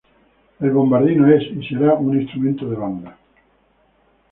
El bombardino es y será un instrumento de banda.